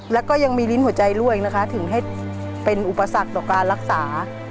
แล้วก็ยังมีลิ้นหัวใจด้วยนะคะถึงให้เป็นอุปสรรคต่อการรักษา